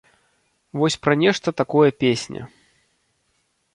Вось пра нешта такое песня.